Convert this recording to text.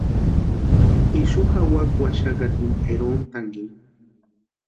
Ixu jawaka waxakatini erontankini.